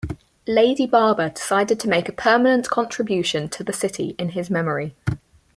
Lady Barber decided to make a permanent contribution to the city in his memory.